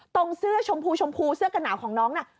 เสื้อชมพูชมพูเสื้อกระหนาวของน้องน่ะ